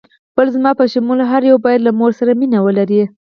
بلې، زما په شمول هر یو باید له مور سره مینه ولري.